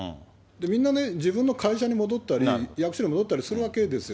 みんな自分の会社に戻ったり、役所に戻ったりするわけですよ。